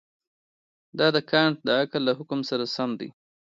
دا د کانټ د عقل له حکم سره سم دی.